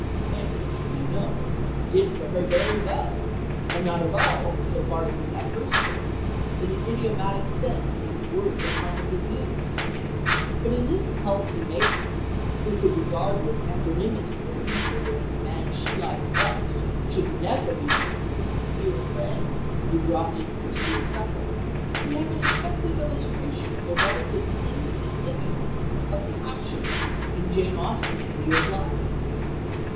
Marriage, we know, "did for her" very well, and not at all, so far as we have her story, in the idiomatic sense in which the words are commonly used. But in this healthy maiden, who could regard with equanimity a future wherein the man she liked best should never be more to her than a dear friend who dropped in for tea or supper, we have an effective illustration of the relative insignificance of passion in Jane Austen's view of life.